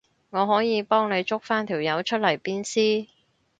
我可以幫你捉返條友出嚟鞭屍